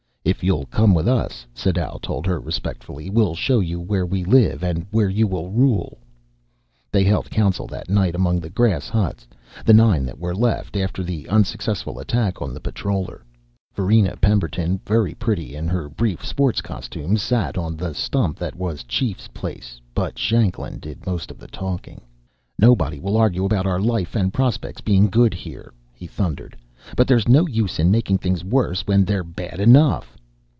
"If you'll come with us," Sadau told her respectfully, "we'll show you where we live and where you will rule." They held council that night among the grass huts the nine that were left after the unsuccessful attack on the patroller. Varina Pemberton, very pretty in her brief sports costume, sat on the stump that was chief's place; but Shanklin did most of the talking. "Nobody will argue about our life and prospects being good here," he thundered, "but there's no use in making things worse when they're bad enough."